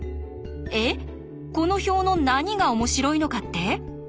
えっこの表の何が面白いのかって？